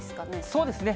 そうですね。